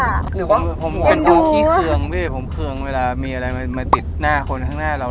หรือว่าผมเป็นคนขี้เคืองพี่ผมเคืองเวลามีอะไรมาติดหน้าคนข้างหน้าเรา